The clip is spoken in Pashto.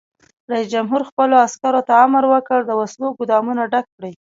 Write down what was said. رئیس جمهور خپلو عسکرو ته امر وکړ؛ د وسلو ګودامونه ډک کړئ!